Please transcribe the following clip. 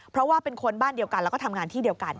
เพราะว่าเป็นคนบ้านเดียวกันแล้วก็ทำงานที่เดียวกัน